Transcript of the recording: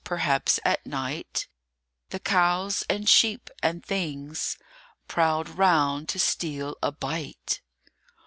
Perhaps at night The cows and sheep and things Prowled round to steal a bite.